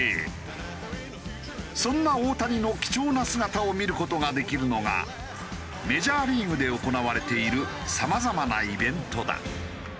そんな大谷の貴重な姿を見る事ができるのがメジャーリーグで行われているさまざまなイベントだ。